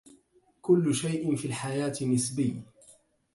كل شيء في الحياة نسبيّ.